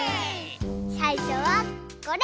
さいしょはこれ！